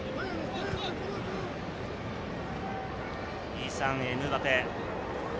イーサン・エムバペ。